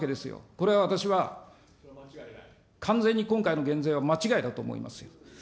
これは私は、完全に今回の減税は間違いだと思いますよ。